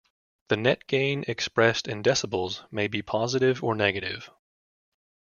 The net gain expressed in decibels may be positive or negative.